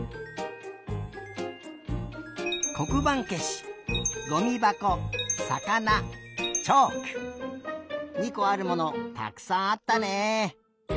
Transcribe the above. こくばんけしごみばこさかなチョーク２こあるものたくさんあったね！